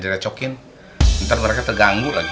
direcokin ntar mereka terganggu lagi